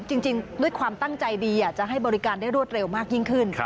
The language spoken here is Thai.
จริงด้วยความตั้งใจดีจะให้บริการได้รวดเร็วมากยิ่งขึ้น